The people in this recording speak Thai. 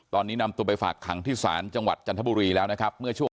ตอนนี้นำตัวไปฝากขังที่ศาลจังหวัดจันทบุรีแล้วนะครับเมื่อช่วง